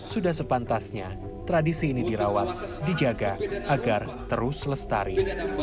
sudah sepantasnya tradisi ini dirawat dijaga agar terus lestari